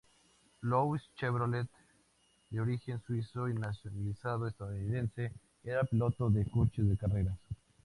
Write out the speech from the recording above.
Louis Chevrolet, de origen suizo y nacionalizado estadounidense, era piloto de coches de carreras.